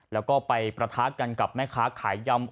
แล้วก็ไปประทะกันกับแม่ค้าขายยำ